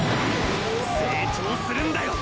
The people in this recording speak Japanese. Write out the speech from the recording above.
成長するんだよ！！